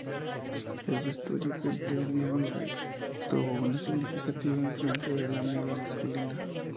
El vestuario que empleó "Miami Vice" tuvo una significativa influencia de la moda masculina.